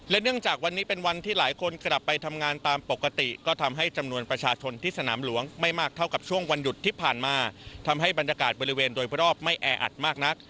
เนื่องจากวันนี้เป็นวันที่หลายคนกลับไปทำงานตามปกติก็ทำให้จำนวนประชาชนที่สนามหลวงไม่มากเท่ากับช่วงวันหยุดที่ผ่านมาทำให้บรรยากาศบริเวณโดยรอบไม่แออัดมากนัก